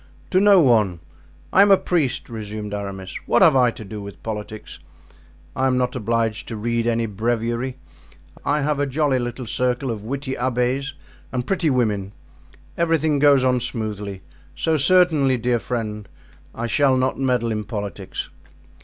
"To no one. I am a priest," resumed Aramis. "What have I to do with politics? I am not obliged to read any breviary. I have a jolly little circle of witty abbés and pretty women; everything goes on smoothly, so certainly, dear friend, I shall not meddle in politics."